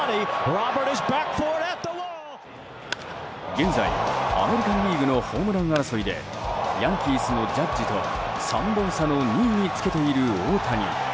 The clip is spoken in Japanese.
現在、アメリカン・リーグのホームラン争いでヤンキースのジャッジと３本差の２位につけている大谷。